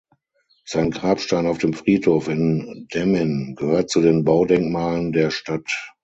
Sein Grabstein auf dem Friedhof in Demmin gehört zu den Baudenkmalen der Stadt.